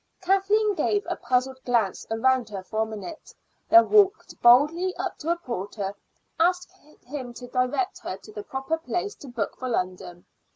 Kathleen gave a puzzled glance around her for a minute, then walked boldly up to a porter, asked him to direct her to the proper place to book for London.